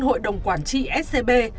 hội đồng quản trị scb